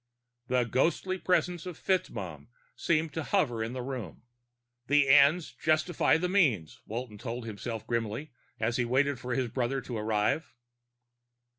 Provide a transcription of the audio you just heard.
The ghostly presence of FitzMaugham seemed to hover in the room. The ends justify the means, Walton told himself grimly, as he waited for his brother to arrive.